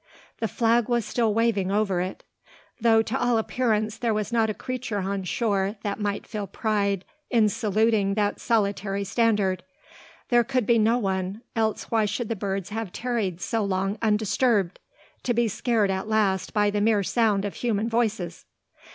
The flag was still waving over it; though, to all appearance, there was not a creature on shore that might feel pride in saluting that solitary standard! There could be no one; else why should the birds have tarried so long undisturbed, to be scared at last by the mere sound of human voices?